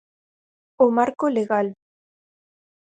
O marco legal.